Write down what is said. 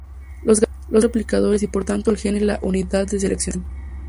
Los genes son replicadores y por tanto el gen es la unidad de selección.